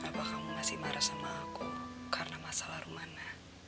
apa kamu masih marah sama aku karena masalah rumah